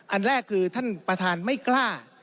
อันแรกคือท่านประธานไม่กล้า